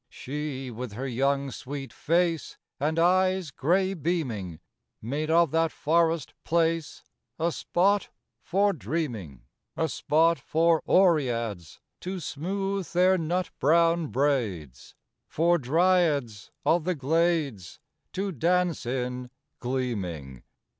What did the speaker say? III She with her young, sweet face And eyes gray beaming, Made of that forest place A spot for dreaming: A spot for Oreads To smooth their nut brown braids, For Dryads of the glades To dance in, gleaming.